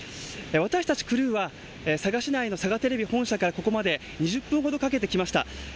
私たちクルーは佐賀市内の佐賀テレビ本社からここまで２０分ほどかけて来ました。